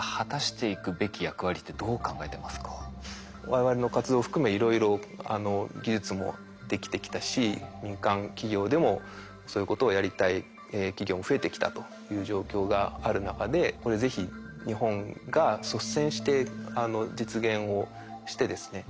我々の活動を含めいろいろ技術もできてきたし民間企業でもそういうことをやりたい企業も増えてきたという状況がある中でこれ是非日本が率先して実現をしてですね